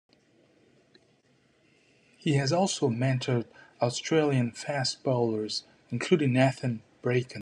He has also mentored Australian fastbowlers, including Nathan Bracken.